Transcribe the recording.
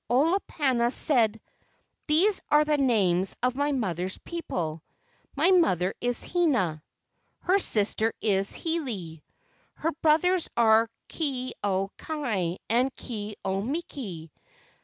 Olopana said: "These are the names of my mother's people. My mother is Hina. Her sister is Hiilei. Her brothers are Ke au kai and Ke au miki.